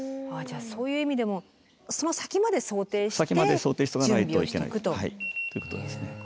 じゃあそういう意味でもその先まで想定して準備をしておくと。ということですね。